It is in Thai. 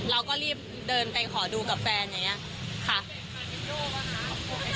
เราก็รีบเดินไปขอดูกับแฟนอย่างนี้ค่ะ